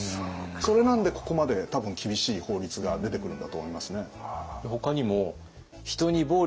それなんでここまで多分厳しい法律が出てくるんだと思いますね。